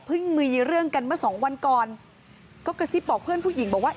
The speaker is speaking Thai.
มีเรื่องกันเมื่อสองวันก่อนก็กระซิบบอกเพื่อนผู้หญิงบอกว่า